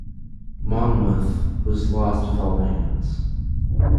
"Monmouth" was lost with all hands.